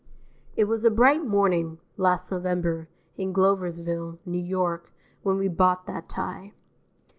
It was a bright morning, last November, in Gloversville, New York, when we bought that tie.